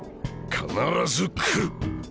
必ず来る！